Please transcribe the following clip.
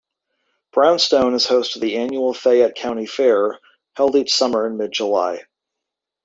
Brownstown is host to the annual Fayette County Fair, held each summer in mid-July.